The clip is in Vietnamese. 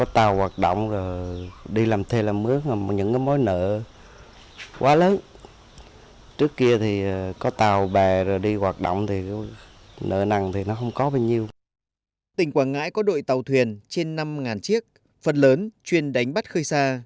tỉnh quảng ngãi có đội tàu thuyền trên năm chiếc phần lớn chuyên đánh bắt khơi xa